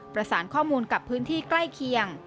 ประสานข้อมูลกับพื้นที่ใกล้เคียง